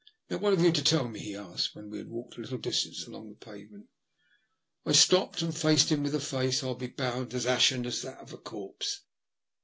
*' Now, what have you to tell me? " he asked, when we had walked a little distance along the pavement. I stopped and faced him with a face, I'll be bound, as ashen as that of a corpse.